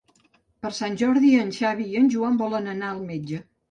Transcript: Per Sant Jordi en Xavi i en Joan volen anar al metge.